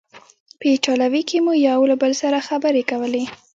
په ایټالوي کې مو یو له بل سره خبرې کولې.